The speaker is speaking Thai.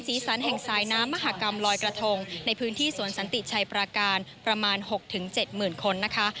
สันแห่งสายน้ำมหากรรมลอยกระทงในพื้นที่สวนสันติชัยปราการประมาณ๖๗๐๐คนนะคะ